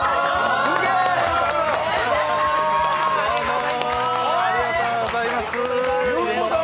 ありがとうございます。